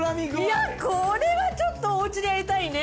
いやこれはちょっとお家でやりたいね。